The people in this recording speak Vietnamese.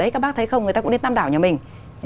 các bác thấy không người ta cũng nên tam đảo nhà mình